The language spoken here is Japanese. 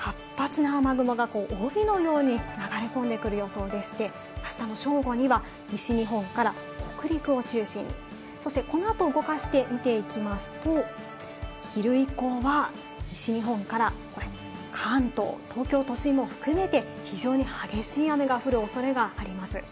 活発な雨雲が帯のように流れ込んでくる予想でして、あしたの正午には西日本から北陸を中心に、そしてこのあと動かして見ていきますと、昼以降は西日本から関東、東京都心も含めて非常に激しい雨が降るおそれがあります。